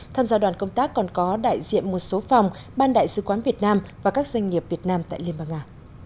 tham gia đoàn công tác còn có đại diện một số phòng ban đại sứ quán việt nam và các doanh nghiệp việt nam tại liên bang nga